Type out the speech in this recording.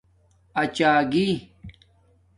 اچاگی